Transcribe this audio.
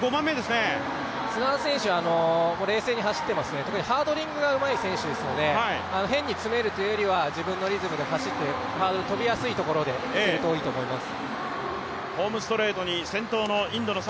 砂田選手は冷静に走っていますね、特にハードリングがうまい選手ですので、変に詰めるというよりはハードル跳びやすいところで跳ぶといいと思います。